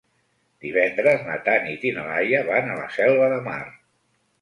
Divendres na Tanit i na Laia van a la Selva de Mar.